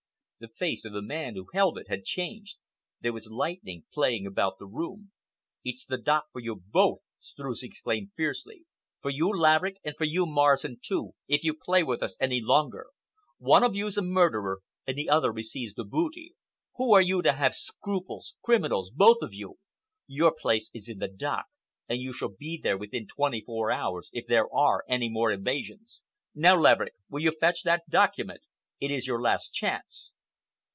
The face of the man who held it had changed. There was lightning playing about the room. "It's the dock for you both!" Streuss exclaimed fiercely,—"for you, Laverick, and you, Morrison, too, if you play with us any longer! One of you's a murderer and the other receives the booty. Who are you to have scruples—criminals, both of you? Your place is in the dock, and you shall be there within twenty four hours if there are any more evasions. Now, Laverick, will you fetch that document? It is your last chance."